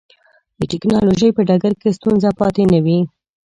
د ټکنالوجۍ په ډګر کې ستونزه پاتې نه وي.